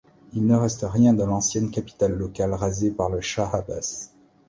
Il ne reste rien de l'ancienne capitale locale rasée par le chah Abbas.